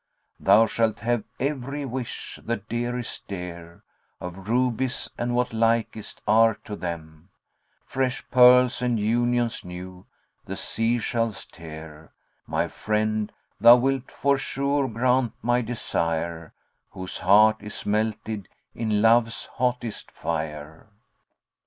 [FN#69] * Thou shalt have every wish, the dearest dear, Of rubies and what likest are to them * Fresh pearls and unions new, the seashell's tear: My friend, thou wilt forsure grant my desire * Whose heart is melted in love's hottest fire.